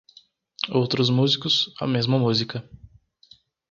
Outros músicos - a mesma música.